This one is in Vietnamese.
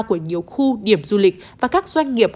của nhiều khu điểm du lịch và các doanh nghiệp